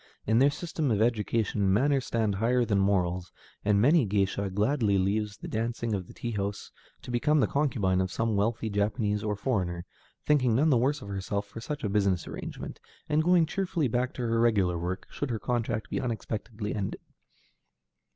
In their system of education, manners stand higher than morals, and many a géisha gladly leaves the dancing in the tea houses to become the concubine of some wealthy Japanese or foreigner, thinking none the worse of herself for such a business arrangement, and going cheerfully back to her regular work, should her contract be unexpectedly ended.